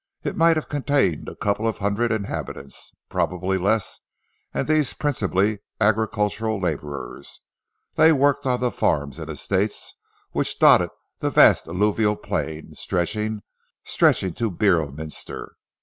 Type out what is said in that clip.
It might have contained a couple of hundred inhabitants, probably less, and these principally agricultural labourers. They worked on the farms and estates which dotted the vast alluvial plain stretching to Beorminster.